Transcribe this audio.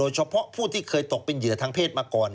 เฉพาะผู้ที่เคยตกเป็นเหยื่อทางเพศมาก่อน